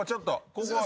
ここは。